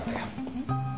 えっ？